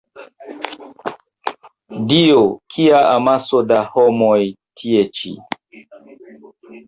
Dio! Kia amaso da homoj tie ĉi!